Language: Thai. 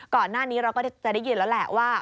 ก่อนหน้านี้เราก็จะได้ยินแล้วแหละว่า